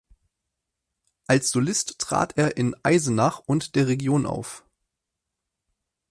Als Solist trat er in Eisenach und der Region auf.